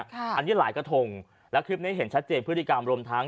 อันนี้หลายกระทงแล้วคลิปนี้เห็นชัดเจนพฤติกรรมรวมทั้ง